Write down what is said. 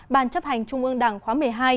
ban chấp hành trung ương đảng khóa một mươi hai